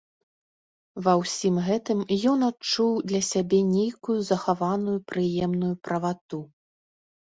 Ва ўсім гэтым ён адчуў для сябе нейкую захаваную прыемную правату.